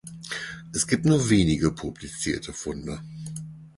Es gibt nur wenige publizierte Funde.